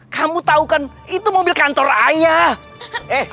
kamu tau kan itu mobil kantor ayah